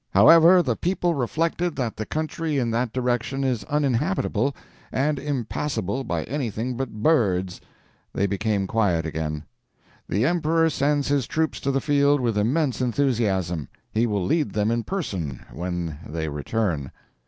However the people reflected that the country in that direction is uninhabitable, and impassable by anything but birds, they became quiet again. The Emperor sends his troops to the field with immense enthusiasm. He will lead them in person, when they return.